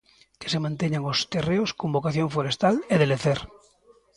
Que se manteñan os terreos con vocación forestal e de lecer.